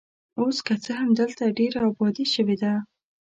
اوس که څه هم دلته ډېره ابادي شوې ده.